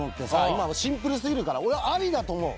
今シンプルすぎるから俺はアリだと思う。